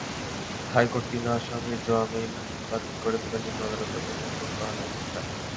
High court তিন আসামির জামিন বাতিল করে তাঁদের নিম্ন আদালতে আত্মসমর্পণ করার নির্দেশ দেন।